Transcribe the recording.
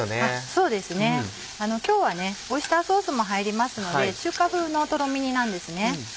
そうですね今日はオイスターソースも入りますので中華風のとろみ煮なんですね。